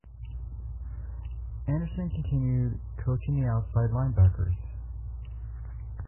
Anderson continued coaching the outside linebackers.